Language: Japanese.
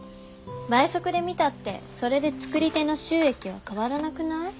倍速で見たってそれで作り手の収益は変わらなくない？